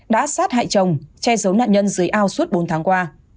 đã sát hại chồng che giấu nạn nhân dưới ao suốt bốn tháng qua